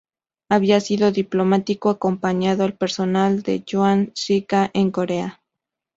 Había sido diplomático acompañando al personal de Yuan Shikai en Corea.